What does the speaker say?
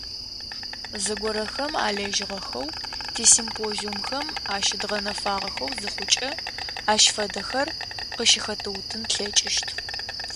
Зыгорэхэм алэжьыгъэхэу, тисимпозиумхэм ащыдгъэнэфагъэхэу зыхъукӏэ, ащ фэдэхэр къыщыхэтыутын тлъэкӏыщт.